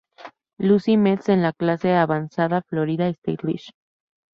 Lucie Mets en la Clase A-avanzada Florida State League.